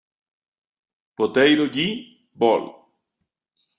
Potato J.; Bol.